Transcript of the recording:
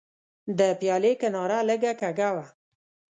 د پیالې کناره لږه کږه وه.